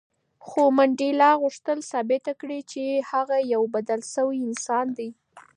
خو منډېلا غوښتل ثابته کړي چې هغه یو بدل شوی انسان دی.